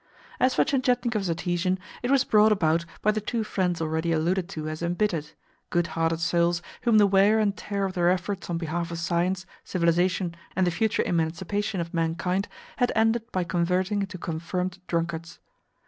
As for Tientietnikov's adhesion, it was brought about by the two friends already alluded to as "embittered" good hearted souls whom the wear and tear of their efforts on behalf of science, civilisation, and the future emancipation of mankind had ended by converting into confirmed drunkards.